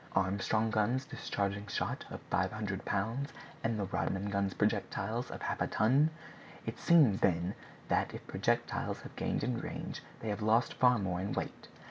Armstrong guns discharging shot of 500 pounds, and the Rodman guns projectiles of half a ton! It seems, then, that if projectiles have gained in range, they have lost far more in weight.